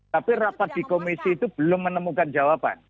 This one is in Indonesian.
tapi rapat di komisi itu belum menemukan jawaban